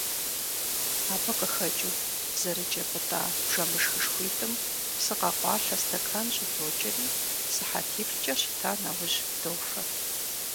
Абы къыхэкӏыу, зэрыджэ пӏытӏа бжэмышхышхуитӏым псы къэкъуалъэ стэкан щӏыдокӏэри, сыхьэтиплӏкӏэ щыта нэужь, дофэ.